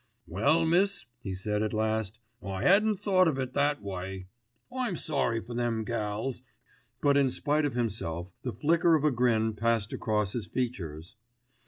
"Well, miss," he said at last. "I 'adn't thought of it that way. I'm sorry for them gals," but in spite of himself the flicker of a grin passed across his features.